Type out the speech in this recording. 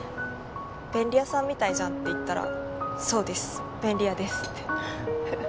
「便利屋さんみたいじゃん」って言ったら「そうです。便利屋です」って。フフッ。